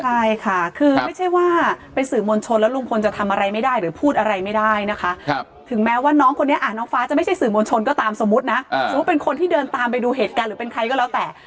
ใช่ค่ะคือไม่ใช่ว่าเป็นสื่อมวลชนแล้วลุงพลจะทำอะไรไม่ได้หรือพูดอะไรไม่ได้นะคะถึงแม้ว่าน้องคนนี้น้องฟ้าจะไม่ใช่สื่อมวลชนก็ตามสมมุตินะสมมุติเป็นคนที่เดินตามไปดูเหตุการณ์หรือเป็นใครก็แล้วแต่